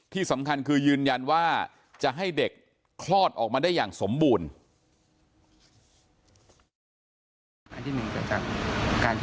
ที่สำคัญคือยืนยันว่าจะให้เด็กคลอดออกมาได้อย่างสมบูรณ์